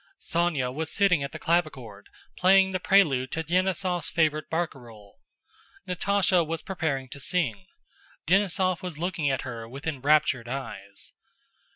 Sónya was sitting at the clavichord, playing the prelude to Denísov's favorite barcarolle. Natásha was preparing to sing. Denísov was looking at her with enraptured eyes.